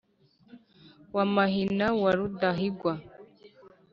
Wa Mahina wa Rudahigwa